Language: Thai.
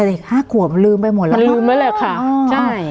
แต่เด็กห้าขัวมันลืมไปหมดแล้วมันลืมไปเลยค่ะใช่